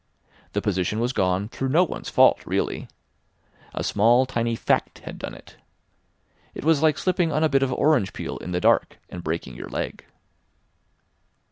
The position was gone through no one's fault really. A small, tiny fact had done it. It was like slipping on a bit of orange peel in the dark and breaking your leg.